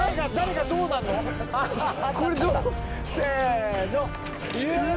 せの。